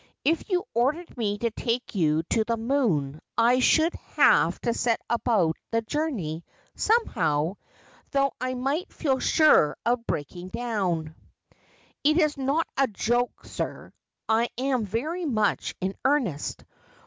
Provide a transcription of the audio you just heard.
If you ordered me to take you to the moon I should have to set about the journey somehow, though I might feel sure of breaking down '' It is not a joke, sir, I am very much in earnest.